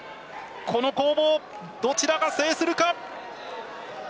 この攻防、どちらが制するか。